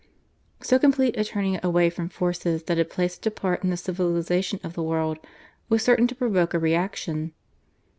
So complete a turning away from forces that had played such a part in the civilisation of the world was certain to provoke a reaction.